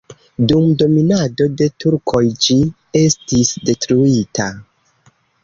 Dum dominado de turkoj ĝi estis detruita.